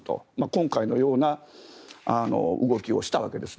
今回のような動きをしたわけです。